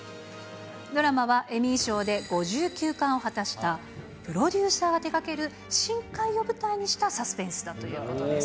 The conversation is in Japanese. ドラマはエミー賞で５９冠を果たしたプロデューサーが手がける深海を舞台にしたサスペンスだということです。